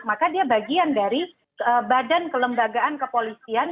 maka dia bagian dari badan kelembagaan kepolisian